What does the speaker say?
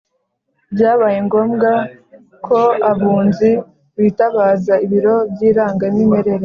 byabaye ngombwa ko abunzi bitabaza ibiro by’irangamimerere.